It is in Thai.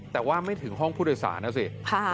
แต่ว่าไม่ถึงห้องผู้โดยสารนะสิ